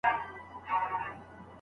مؤسسو له جنګ مخکې مالونه ذخیره کړي وو.